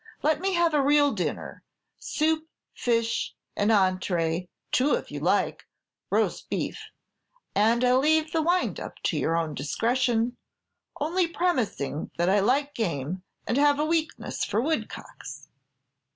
Let me have a real dinner, soup, fish, an entrée, two if you like, roast beef; and I leave the wind up to your own discretion, only premising that I like game, and have a weakness for woodcocks.